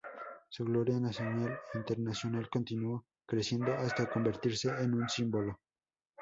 Su gloria nacional e internacional continuó creciendo hasta convertirse en un símbolo.